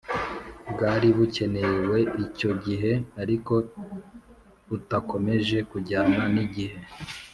Bwari bukenewe icyo gihe ariko butakomeje kujyana n’igihe